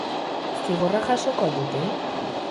Zigorra jasoko al dute?